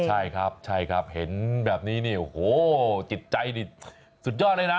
ใช่ครับใช่ครับเห็นแบบนี้นี่โอ้โหจิตใจนี่สุดยอดเลยนะ